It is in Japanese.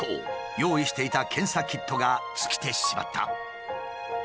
用意していた検査キットが尽きてしまった。